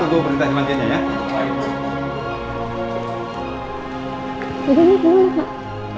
ini dia apa ini pak